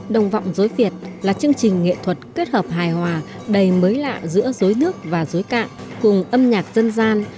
đồng vọng rối việt là chương trình nghệ thuật kết hợp hài hòa đầy mới lạ giữa rối nước và rối cạn cùng âm nhạc dân gian